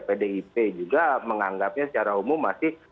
pdip juga menganggapnya secara umum masih